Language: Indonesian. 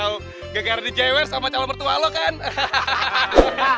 eh gak jadi kemari meh assalamualaikum